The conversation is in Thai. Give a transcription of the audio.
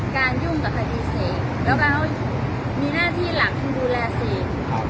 การยุ่งกับคดีเสกแล้วการที่มีหน้าที่หรอกทำดูแลเสก